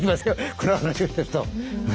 この話をしてると。